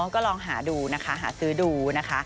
ก็ลองหาดูนะคะหาซื้อดูนะคะ